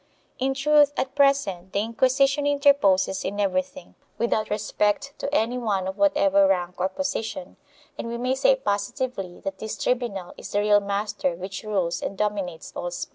In truth at present the Inquisition interposes in everything, without respect to any one of whatever rank or position, and we may say positively that this tribunal is the real master which rules and dominates all Spain.